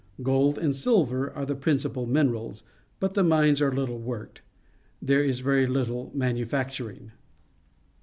Gold and silver are the principal minerals, but the mines are httle worked. There is very httle manufacturing.